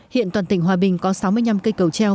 hiện toàn tỉnh hòa bình có sáu mươi năm cây cầu treo